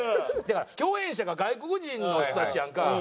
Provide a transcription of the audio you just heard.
共演者が外国人の人たちやんか。